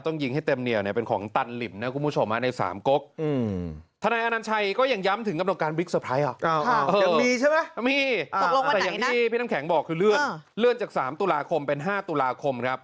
ตกลงวันไหนนะพี่น้ำแข็งบอกคือเลื่อนเลื่อนจากสามตุลาคมเป็นห้าตุลาคมครับ